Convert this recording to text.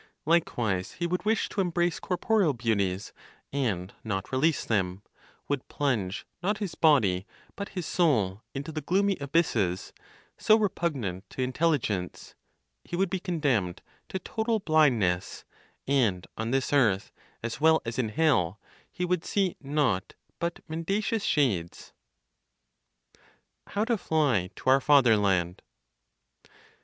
Likewise he would wish to embrace corporeal beauties, and not release them, would plunge, not his body, but his soul into the gloomy abysses, so repugnant to intelligence; he would be condemned to total blindness; and on this earth, as well as in hell, he would see naught but mendacious shades. HOW TO FLY TO OUR FATHERLAND.